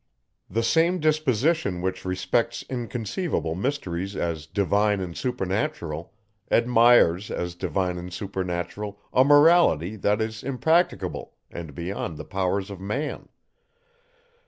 The same disposition, which respects inconceivable mysteries as divine and supernatural, admires, as divine and supernatural, a Morality, that is impracticable, and beyond the powers of man.